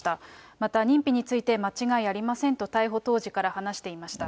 また認否について、間違いありませんと逮捕当時から話していました。